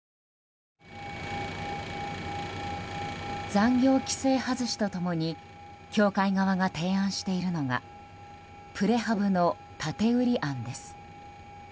残業規制外しと共に協会側が提案しているのがプレハブの建て売り案です。